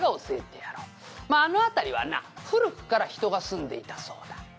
「まああの辺りはな古くから人が住んでいたそうだ」